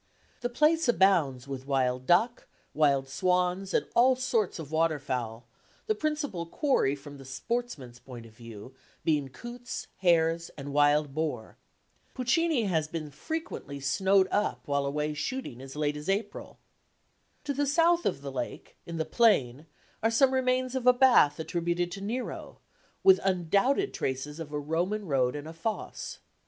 The place abounds with wild duck, wild swans and all sorts of water fowl, the principal quarry from the sportsman's point of view being coots, hares, and wild boar. Puccini has been frequently snowed up while away shooting as late as April. To the south of the lake, in the plain, are some remains of a bath attributed to Nero, with undoubted traces of a Roman road and a fosse.